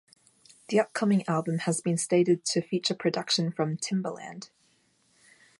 The upcoming album has been stated to feature production from Timbaland.